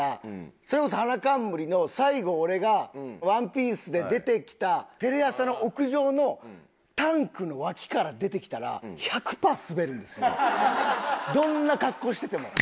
それこそ「花冠」の最後俺がワンピースで出てきたテレ朝の屋上のタンクの脇から出てきたらどんな格好してても。